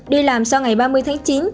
đi làm sau ngày ba mươi tháng chín